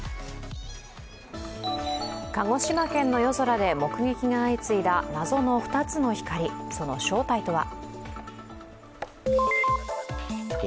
鹿児島県の夜空で目撃が相次いだ謎の２つの光、その正体とは？